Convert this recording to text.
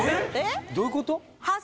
どういうこと？